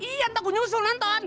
iya entah gue nyusul nonton